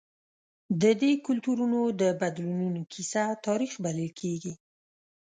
د دې کلتورونو د بدلونونو کیسه تاریخ بلل کېږي.